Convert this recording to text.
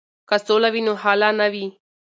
که سوله وي نو هاله نه وي.